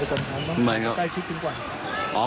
ต้องมาใกล้ชิ้นกันก่อน